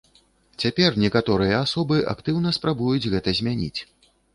Цяпер некаторыя асобы актыўна спрабуюць гэта змяніць.